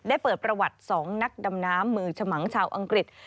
เปิดประวัติ๒นักดำน้ำมือฉมังชาวอังกฤษ